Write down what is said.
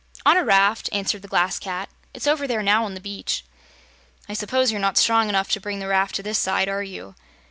"On a raft," answered the Glass Cat. "It's over there now on the beach." "I suppose you're not strong enough to bring the raft to this side, are you?"